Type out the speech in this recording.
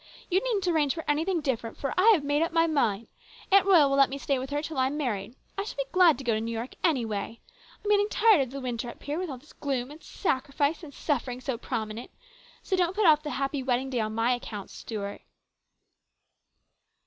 You needn't arrange for anything different, for I have made up my mind. Aunt Royal will let me stay with her until I am married. I shall be glad to go to New York, anyway. I'm getting tired of the winter up here, with all this gloom and sacrifice and suffering so prominent. So don't put off the happy wedding day on my account, Stuart."